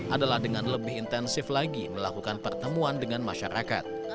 adalah dengan lebih intensif lagi melakukan pertemuan dengan masyarakat